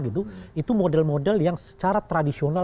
itu model model yang secara tradisional